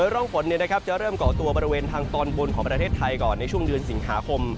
ร่องฝนจะเริ่มเกาะตัวบริเวณทางตอนบนของประเทศไทยก่อนในช่วงเดือนสิงหาคม